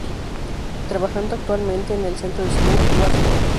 Trabajando actualmente en el centro de salud Wadsworth.